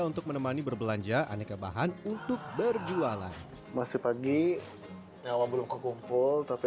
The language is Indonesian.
untuk menemani berbelanja aneka bahan untuk berjualan masih pagi memang belum kekumpul tapi